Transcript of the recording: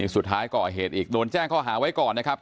สุดท้ายก่อเหตุอีกโดนแจ้งข้อหาไว้ก่อนนะครับ